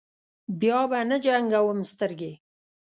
بیا به نه جنګوم سترګې.